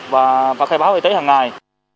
và phải khai báo y tế hàng ngày